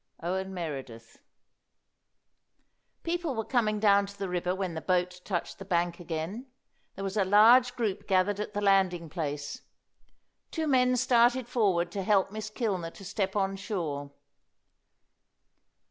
OWEN MEREDITH. People were coming down to the river when the boat touched the bank again; there was a large group gathered at the landing place. Two men started forward to help Miss Kilner to step on shore.